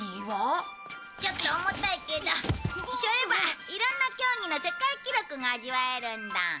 ちょっと重たいけど背負えばいろんな競技の世界記録が味わえるんだ。